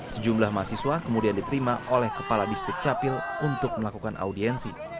sejumlah mahasiswa kemudian diterima oleh kepala disduk capil untuk melakukan audiensi